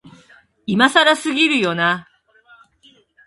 今更すぎるよな、